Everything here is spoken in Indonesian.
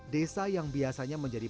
desa yang biasanya menjadi